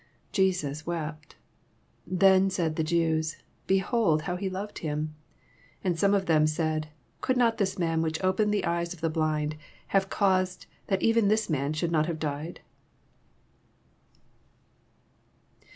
35 Jesus wept. 36 Then said the Jews, Behold how he loved him ! 37 And some of them said. Could not this man, which opened the eyes of the blind, have caused that even this mao should not have died